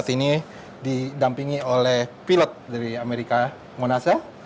f enam belas ini didampingi oleh pilot dari amerika monasa